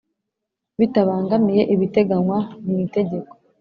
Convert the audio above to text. Bitabangamiye ibiteganywa mu itegeko